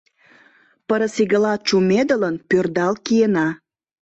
Пырыс игыла чумедылын, пӧрдал киена.